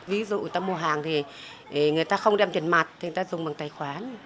ví dụ người ta mua hàng thì người ta không đem tiền mặt thì người ta dùng bằng tài khoản